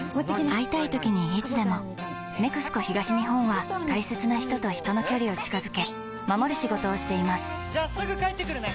会いたいときにいつでも「ＮＥＸＣＯ東日本」は大切な人と人の距離を近づけ守る仕事をしていますじゃあすぐ帰ってくるね！